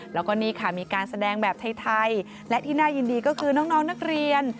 แล้วก็นี่ค่ะมีการแสดงแบบไทยและที่น่ายินดีก็คือน้องนักเรียน